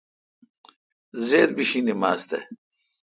زید بیشی نما ز تہ۔